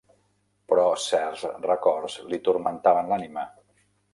Però certs records li turmentaven l'ànima.